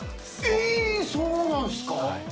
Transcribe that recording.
えー、そうなんすか。